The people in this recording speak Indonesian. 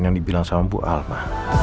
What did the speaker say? yang dibilang sama bu alma